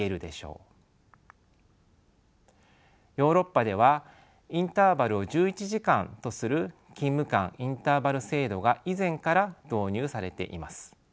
ヨーロッパではインターバルを１１時間とする勤務間インターバル制度が以前から導入されています。